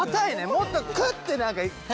もっとクッて何かガッて。